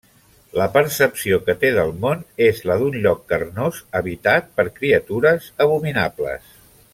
La percepció que té del món és la d'un lloc carnós habitat per criatures abominables.